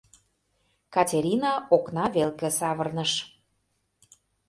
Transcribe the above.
— Катерина окна велке савырныш.